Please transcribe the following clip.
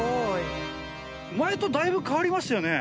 前とだいぶ変わりましたよね。